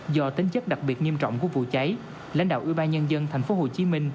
do tính chất đặc biệt nghiêm trọng của vụ cháy lãnh đạo ưu ba nhân dân tp hcm